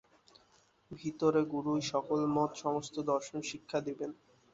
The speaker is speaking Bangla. ভিতরে গুরুই সকল মত, সমস্ত দর্শন শিক্ষা দিবেন।